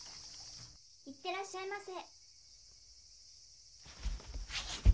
・いってらっしゃいませ。